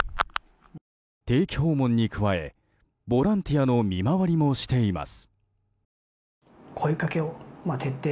定期訪問に加えボランティアの見回りもしています。